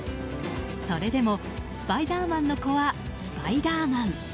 それでも、スパイダーマンの子はスパイダーマン。